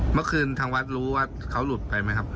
เมื่อคืนทางวัดรู้ว่าเขาหลุดไปไหมครับ